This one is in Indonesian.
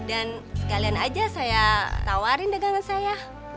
dan sekalian aja saya tawarin dengan saya